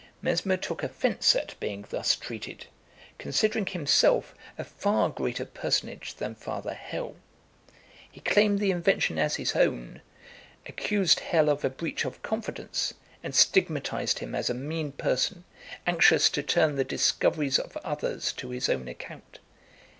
Mesmer took offence at being thus treated, considering himself a far greater personage than Father Hell. He claimed the invention as his own, accused Hell of a breach of confidence, and stigmatised him as a mean person, anxious to turn the discoveries of others to his own account.